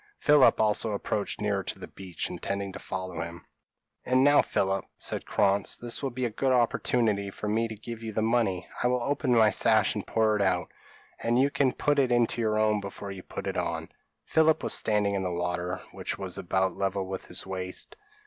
Philip also approached nearer to the beach, intending to follow him. "And now, Philip," said Krantz, "this will be a good opportunity for me to give you the money. I will open my sash and pour it out, and you can put it into your own before you put it on." Philip was standing in the water, which was about level with his waist.